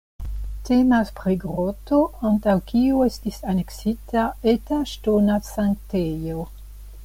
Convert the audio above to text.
Temas pri groto antaŭ kiu estis aneksita eta ŝtona sanktejo.